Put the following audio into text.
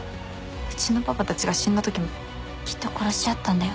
「うちのパパたちが死んだときもきっと殺し合ったんだよ」